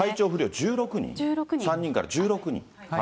１６人、３人から１６人。